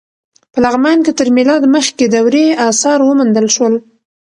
په لغمان کې تر میلاد مخکې دورې اثار وموندل شول.